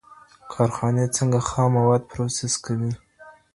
کارخانې څنګه خام مواد پروسس کوي؟